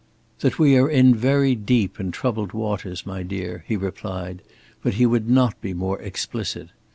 "That we are in very deep and troubled waters, my dear," he replied, but he would not be more explicit.